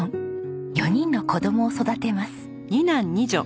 ４人の子どもを育てます。